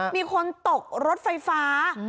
มีคนตกรถไฟฟ้า